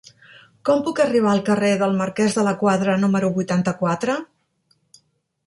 Com puc arribar al carrer del Marquès de la Quadra número vuitanta-quatre?